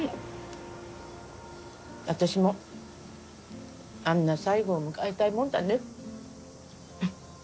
私もあんな最期を迎えたいもんだね。